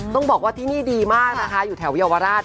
ต้องบอกว่าที่นี่ดีมากนะคะอยู่แถวเยาวราช